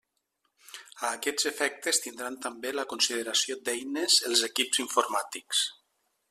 A aquests efectes tindran també la consideració d'eines els equips informàtics.